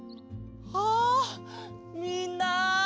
あみんな！